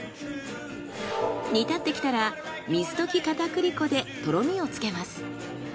煮立ってきたら水溶き片栗粉でとろみをつけます。